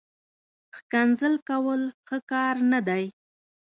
ښکنځل کول، ښه کار نه دئ